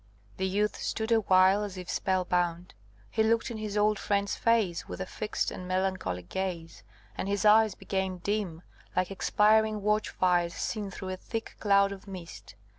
The youth stood awhile as if spell bound; he looked in his old friend's face with a fixed and melancholy gaze, and his eyes became dim, like expiring watch fires seen through a thick cloud of mist.